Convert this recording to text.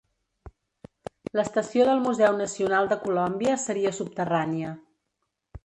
L'estació del Museu Nacional De Colòmbia seria subterrània.